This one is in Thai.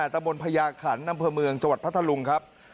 ตะบนพญาขันอำเภอเมืองจังหวัดพัทธลุงครับ